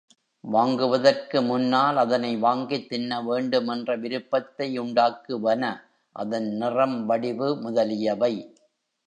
வாங்குவதற்கு முன்னால் அதனை வாங்கித் தின்ன வேண்டும் என்ற விருப்பத்தை உண்டாக்குவன அதன் நிறம் வடிவு முதலியவை.